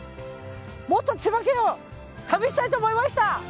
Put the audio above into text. もっと千葉県を旅したいと思いました。